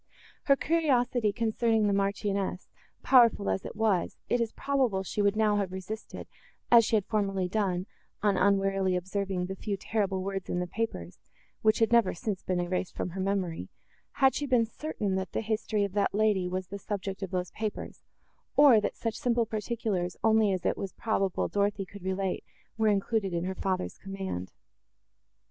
Her curiosity, concerning the Marchioness, powerful as it was, it is probable she would now have resisted, as she had formerly done, on unwarily observing the few terrible words in the papers, which had never since been erased from her memory, had she been certain that the history of that lady was the subject of those papers, or, that such simple particulars only as it was probable Dorothée could relate were included in her father's command.